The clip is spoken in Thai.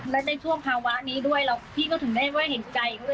และได้ช่วงฮาวะนี้ด้วยแล้วพี่ก็ถึงได้ไว้เห็นใจ